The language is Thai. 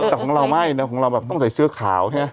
แต่ของเราไม่นะของเราแบบต้องใส่เสื้อขาวใช่ไหม